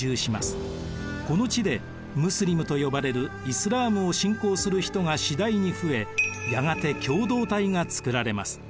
この地でムスリムと呼ばれるイスラームを信仰する人が次第に増えやがて共同体が作られます。